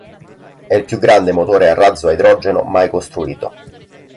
È il più grande motore a razzo a idrogeno mai costruito.